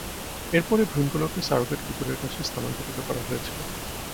এরপর ভ্রূণগুলোকে সারোগেট কুকুরের কাছে স্থানান্তরিত করা হয়েছিল।